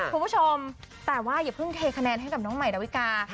คุณผู้ชมแต่ว่าอย่าเพิ่งเทคะแนนให้กับน้องใหม่ดาวิกา